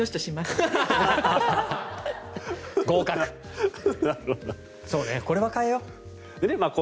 そうだね、これは替えよう。